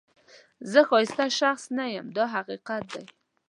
زه ښایسته شخص نه یم دا حقیقت دی.